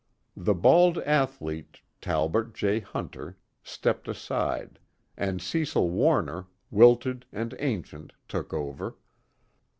The bald athlete Talbot J. Hunter stepped aside, and Cecil Warner, wilted and ancient, took over.